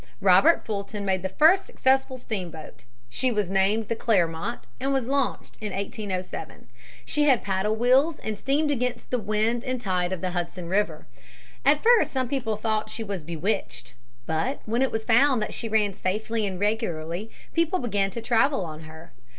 Robert Fulton made the first successful steamboat. She was named the Clermont and was launched in 1807. She had paddle wheels and steamed against the wind and tide of the Hudson River. At first some people thought that she was bewitched. But when it was found that she ran safely and regularly, people began to travel on her.